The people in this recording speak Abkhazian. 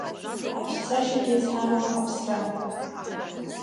Ацәцашьагьы зҳамам аԥсра.